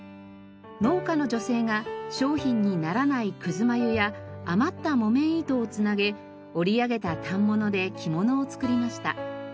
農家の女性が商品にならないくず繭や余った木綿糸を繋げ織り上げた反物で着物を作りました。